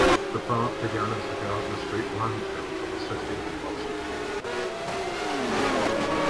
The park began as the Gardner Street Landfill for the city of Boston.